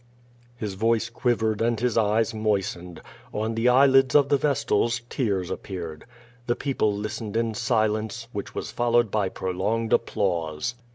His voice quivered, and his eyes moistened. On the eye lids of the vestals tears appeared. The people listened in silence, which was followed by prolonged applause.